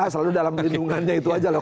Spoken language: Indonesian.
selalu dalam lindungannya itu aja loh